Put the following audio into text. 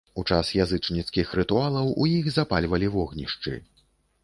У час язычніцкіх рытуалаў у іх запальвалі вогнішчы.